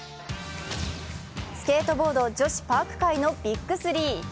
スケートボード、女子パーク界のビッグ３。